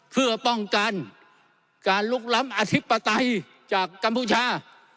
เพื่อป้องกันการลุกล้ำอธิปไตยจากกัมพูชา